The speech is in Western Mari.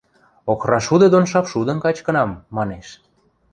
– Охрашуды дон шапшудым качкынам, – манеш.